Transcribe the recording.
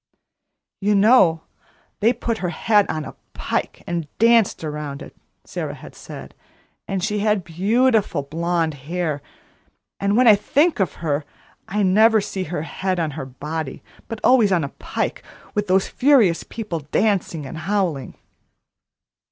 "You know they put her head on a pike and danced around it," Sara had said; "and she had beautiful blonde hair; and when I think of her, I never see her head on her body, but always on a pike, with those furious people dancing and howling."